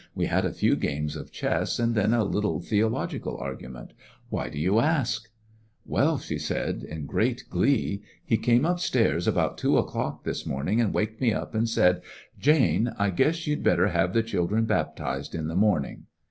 We had a few games of ehess and then a little theo logical argument Why do you ask ?" "WeU/^ she said, in great glee, "he came up' stairs about two o^clock this morningj and waked me lap and saidj * Jane^ I guess you 'd better have the children baptized in the morning.'